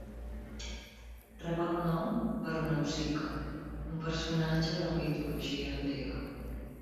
Rep el nom per Nausica, un personatge de la mitologia grega.